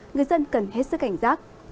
người dân cần hết sức cảnh giác